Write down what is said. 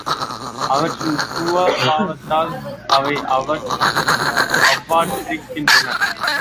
அவற்றின் சுபாவத்தால் அவை அவ்வாறிருக்கின்றன.